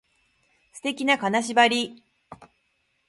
素敵な金縛り